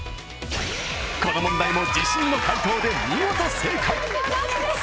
この問題も自信の解答で見事正解ノッチです